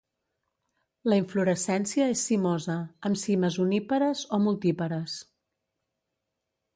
La inflorescència és cimosa, amb cimes unípares o multípares.